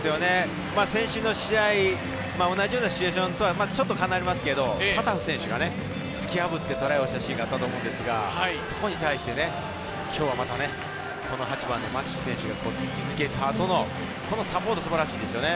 先週の試合、同じようなシチュエーションとはちょっと違いますけど、タタフ選手が突き破ってトライをした選手があると思うんですが、そこに対して今日はまたマキシ選手が突き抜けた後のこのサポート素晴らしいですよね。